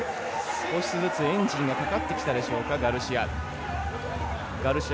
少しずつエンジンがかかってきたでしょうかガルシア。